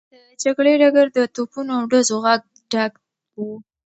د جګړې ډګر د توپونو او ډزو غږ ډک و.